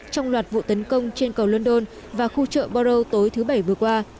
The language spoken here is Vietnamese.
trong loạt vụ tấn công trên cầu london và khu chợ boro tối thứ bảy vừa qua